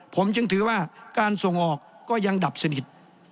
ผมจึงถือว่าการส่งออกก็ยังดับสนิท